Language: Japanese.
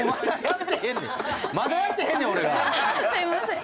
すみません。